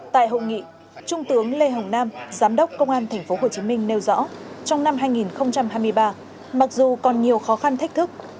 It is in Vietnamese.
tại hội nghị trung tướng lê hồng nam giám đốc công an tp hcm nêu rõ trong năm hai nghìn hai mươi ba mặc dù còn nhiều khó khăn thách thức